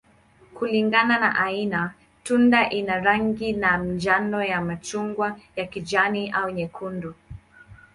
Kulingana na aina, tunda ina rangi ya njano, ya machungwa, ya kijani, au nyekundu.